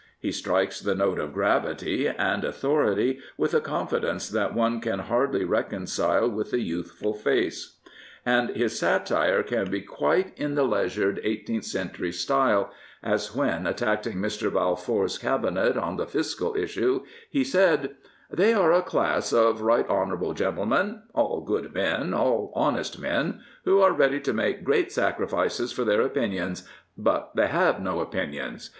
He strikes the note of gravity and authority with a confidence that one can hardly reconcile with the youthful face. And his satire can be quite in the leisured eighteenth century style, as when, attacking Mr. Balfour's Cabinet on the Fiscal issue, he said: They are a class of right honourable gentlemen — all good men, all honest men — who are ready to make great sacrifices for their opinions, but they have no opinions.